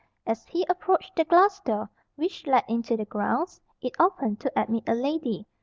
As he approached the glass door which led into the grounds, it opened to admit a lady.